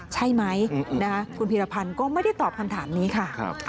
ใช่ไหมคุณพีรพันธ์ก็ไม่ได้ตอบคำถามนี้ค่ะ